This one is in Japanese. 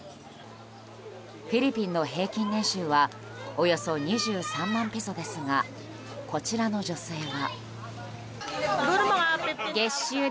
フィリピンの平均年収はおよそ２３万ペソですがこちらの女性は。